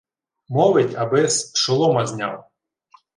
— Мовить, аби-с шолома зняв.